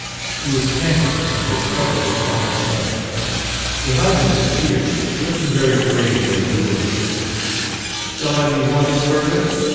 He was panting and was covered with fine snow. Behind him was Peter, looking very grave and dour. "Shall I be wanted further?"